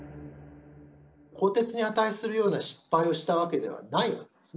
更迭に値するような失敗をしたわけではないんですね。